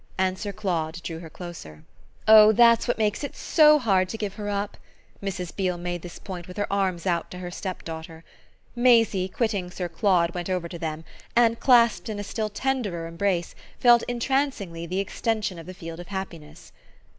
And Sir Claude drew her closer. "Oh that's what makes it so hard to give her up!" Mrs. Beale made this point with her arms out to her stepdaughter. Maisie, quitting Sir Claude, went over to them and, clasped in a still tenderer embrace, felt entrancingly the extension of the field of happiness.